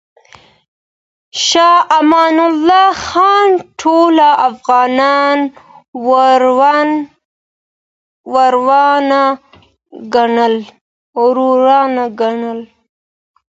شاه امان الله خان ټول افغانان وروڼه ګڼل.